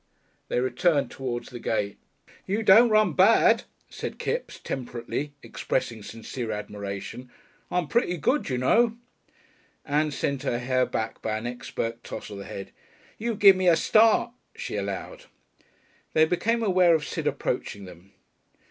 They returned towards the gate. "You don't run bad," said Kipps, temperately expressing sincere admiration. "I'm pretty good, you know." Ann sent her hair back by an expert toss of the head. "You give me a start," she allowed. They became aware of Sid approaching them.